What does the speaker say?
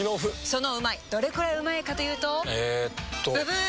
そのうまいどれくらいうまいかというとえっとブブー！